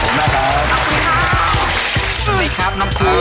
ผมน่าครับ